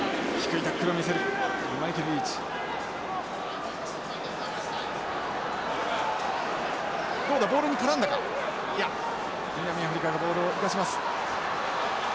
いや南アフリカがボールを生かします。